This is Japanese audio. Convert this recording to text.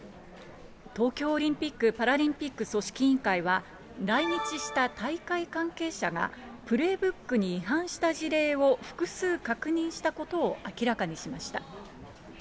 東京オリンピック・パラリンピック組織委員会は、来日した大会関係者がプレイブックに違反した事例を複数確認したことを明らかにしました。